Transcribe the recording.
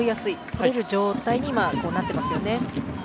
とれる状態になってますよね。